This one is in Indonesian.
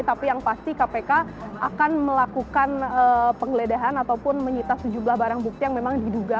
tapi yang pasti kpk akan melakukan penggeledahan ataupun menyita sejumlah barang bukti yang memang diduga